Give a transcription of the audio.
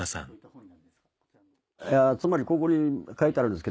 つまりここに書いてあるんですけど。